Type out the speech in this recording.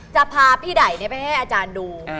จะพาพี่ได่ไปให้อาจารย์ดู